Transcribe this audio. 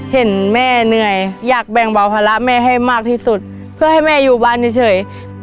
เห็นแม่เหนื่อยอยากแบ่งเบาภาระแม่ให้มากที่สุดเพื่อให้แม่อยู่บ้านเฉย